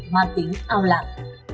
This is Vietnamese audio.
hoàn tính ao lạc